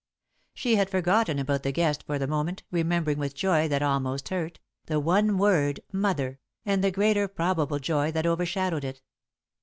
She had forgotten about the guest for the moment, remembering with joy that almost hurt, the one word "Mother," and the greater, probable joy that overshadowed it.